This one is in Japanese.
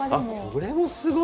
これもすごい。